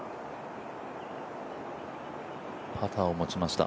パターをもちました。